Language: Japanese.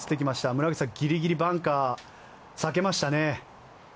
村口さん、ギリギリバンカーを避けましたね。